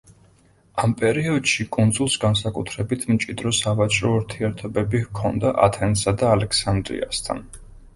ამ პერიოდში კუნძულს განსაკუთრებით მჭიდრო სავაჭრო ურთიერთობები ჰქონდა ათენსა და ალექსანდრიასთან.